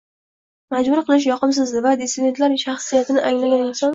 majbur qilish yoqimsizdir va dissidentlar shaxsiyatini anglagan inson